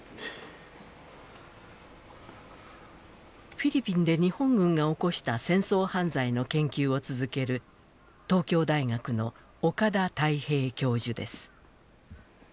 フィリピンで日本軍が起こした戦争犯罪の研究を続ける東京大学の岡田泰平教授です。